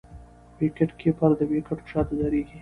وکيټ کیپر د وکيټو شاته درېږي.